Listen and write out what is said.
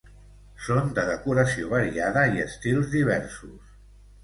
Són de decoració variada i estils diversos.